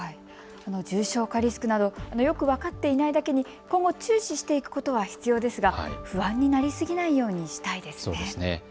重症化リスクなどよく分かっていないだけに今後注視していくことは必要ですが不安になりすぎないようにしたいですね。